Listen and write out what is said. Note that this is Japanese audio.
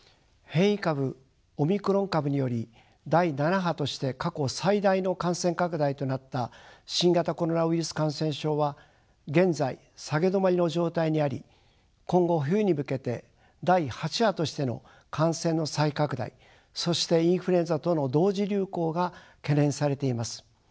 変異株オミクロン株により第７波として過去最大の感染拡大となった新型コロナウイルス感染症は現在下げ止まりの状態にあり今後冬に向けて第８波としての感染の再拡大そしてインフルエンザとの同時流行が懸念されています。